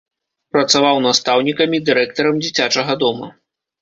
Працаваў настаўнікам і дырэктарам дзіцячага дома.